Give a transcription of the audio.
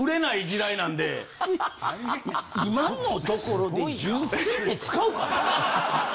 今のところで純粋って使うかな？